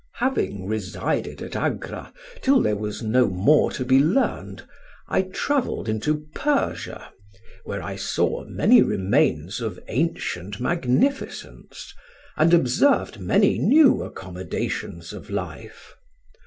"Having resided at Agra till there was no more to be learned, I travelled into Persia, where I saw many remains of ancient magnificence and observed many new accommodations of life.